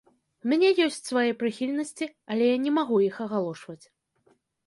У мяне ёсць свае прыхільнасці, але я не магу іх агалошваць.